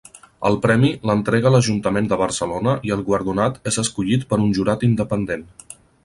El premi l'entrega l'Ajuntament de Barcelona i el guardonat és escollit per un jurat independent.